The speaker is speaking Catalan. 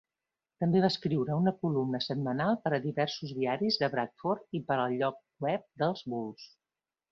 També va escriure una columna setmanal per a diversos diaris de Bradford i per al lloc web dels Bulls.